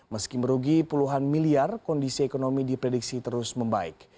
meski merugi puluhan miliar kondisi ekonomi diprediksi terus membaik